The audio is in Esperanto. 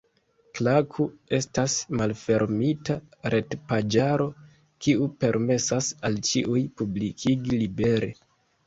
Klaku estas malfermita retpaĝaro, kiu permesas al ĉiuj publikigi libere.